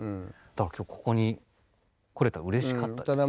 だから今日ここに来れたのうれしかったですよ。